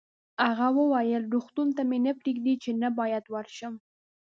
هغه وویل: روغتون ته مې نه پرېږدي، چې نه باید ورشم.